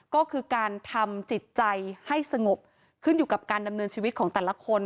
ก็คือการทำจิตใจให้สงบขึ้นอยู่กับการดำเนินชีวิตของแต่ละคน